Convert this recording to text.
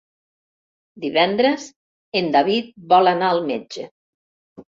Divendres en David vol anar al metge.